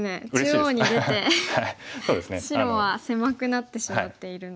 中央に出て白は狭くなってしまっているので。